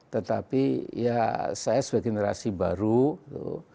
tetapi ya saya sebagai generasi baru gitu